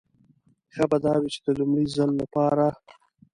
ښه به دا وي چې د لومړي ځل لپاره.